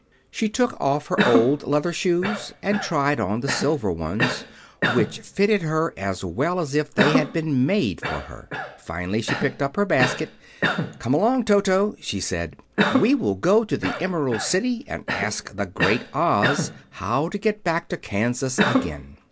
She took off her old leather shoes and tried on the silver ones, which fitted her as well as if they had been made for her. Finally she picked up her basket. "Come along, Toto," she said. "We will go to the Emerald City and ask the Great Oz how to get back to Kansas again."